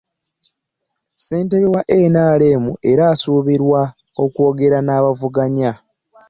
Ssentebe wa NRM era asuubirwa okwogera n'abavuganya.